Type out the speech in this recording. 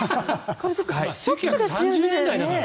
１９３０年代だからな。